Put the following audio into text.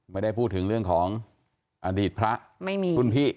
ไม่ได้พูดถึงเรื่องของอดีตพระไม่มีรุ่นพี่